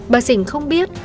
bà dình không biết